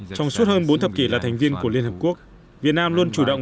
trong suốt hơn bốn thập kỷ là thành viên của liên hợp quốc việt nam luôn chủ động